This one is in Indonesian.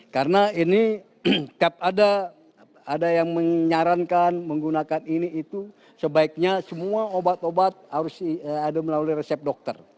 karena ini tiap ada yang menyarankan menggunakan ini itu sebaiknya semua obat obat harus ada melalui resep dokter